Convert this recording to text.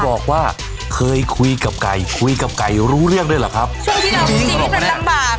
บอกว่าเคยคุยกับไก่คุยกับไก่รู้เรื่องด้วยเหรอครับช่วงที่น้องจริงชีวิตมันลำบาก